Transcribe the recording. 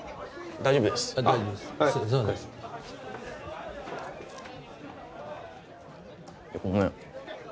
大丈夫です。ごめん。